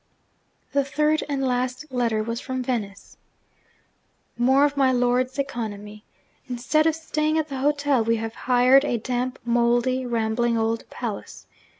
The third, and last letter, was from Venice. 'More of my lord's economy! Instead of staying at the hotel, we have hired a damp, mouldy, rambling old palace.